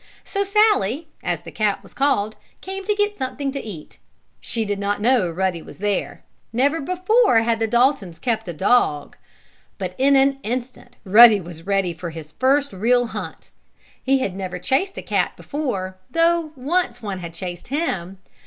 So Sallie, as the cat was called, came to get something to eat. She did not know Ruddy was there. Never before had the Daltons kept a dog. But, in an instant, Ruddy was ready for his first real hunt. He had never chased a cat before, though once one had chased him.